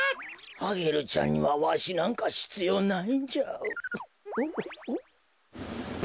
アゲルちゃんにはわしなんかひつようないんじゃ。